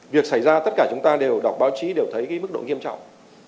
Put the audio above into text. việc xảy ra tất cả chúng ta đều đọc báo chí đều thấy mức độ nghiêm trọng